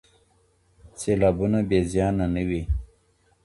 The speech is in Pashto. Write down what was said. سیلابونه بې زیانه نه وي.